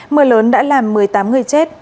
mưa lớn đã làm một mươi tám người chết